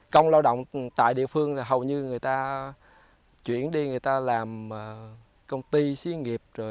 công lao động tại địa phương là hầu như người ta chuyển đi người ta làm công ty xí nghiệp